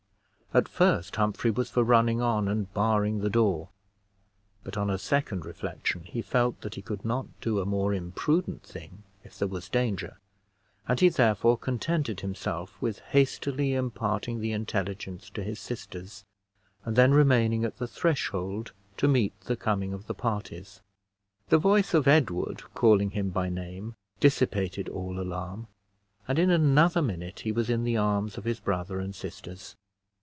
At first, Humphrey was for running on and barring the door; but, on a second reflection, he felt that he could not do a more imprudent thing if there was danger; and he therefore contented himself with hastily imparting the intelligence to his sisters, and then remaining at the threshold to meet the coming of the parties. The voice of Edward calling him by name dissipated all alarm, and in another minute he was in the arms of his brother and sisters.